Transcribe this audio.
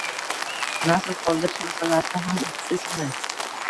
Nasl qoldirish masalasida ham huddi shunday.